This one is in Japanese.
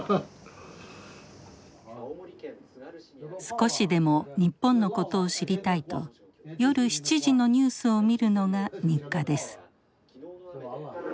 少しでも日本のことを知りたいと夜７時のニュースを見るのが日課です。